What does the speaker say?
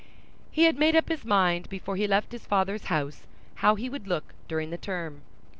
He had made up his mind before he left his father's house how he would look during the term.